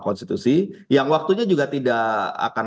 konstitusi yang waktunya juga tidak akan